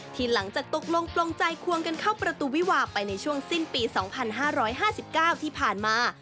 หลังจากตกลงปลงใจควงกันเข้าประตูวิวาไปในช่วงสิ้นปี๒๕๕๙ที่ผ่านมา